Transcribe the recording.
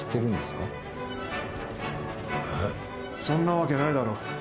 「そんなわけないだろ」